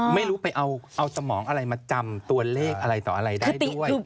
ไม่รู้ไปเอาสมองอะไรมาจำตัวเลขอะไรต่ออะไรได้ด้วย